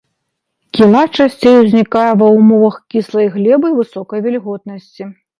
Кіла часцей узнікае ва ўмовах кіслай глебы і высокай вільготнасці.